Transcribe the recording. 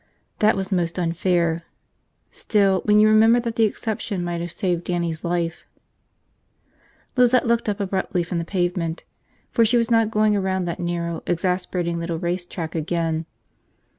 That was most unfair. Still, when you remembered that the exception might have saved Dannie's life ... Lizette looked up abruptly from the pavement, for she was not going around that narrow, exasperating little race track again.